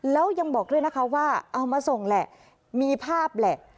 แล้วยังบอกด้วยนะคะว่าเอามาส่งแหละมีภาพแหละ